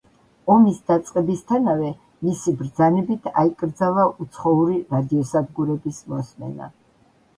ომის დაწყებისთანავე მისი ბრძანებით აიკრძალა უცხოური რადიოსადგურების მოსმენა.